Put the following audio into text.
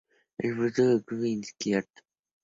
El futuro del club es incierto.